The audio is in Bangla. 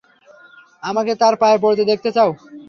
আমাকে তার পায়ে পড়তে দেখতে চাও?